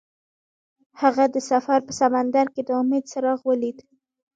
هغه د سفر په سمندر کې د امید څراغ ولید.